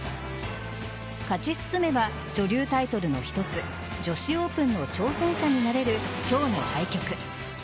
勝ち進めば、女流タイトルの一つ女子オープンの挑戦者になれる今日の対局。